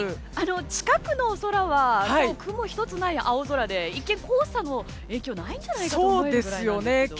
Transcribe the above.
近くの空は雲１つない青空で一見、黄砂の影響はないんじゃないかと思えるくらいですけど。